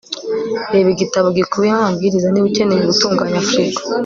reba igitabo gikubiyemo amabwiriza niba ukeneye gutunganya firigo